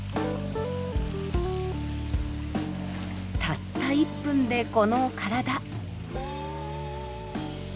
たった１分でこの体。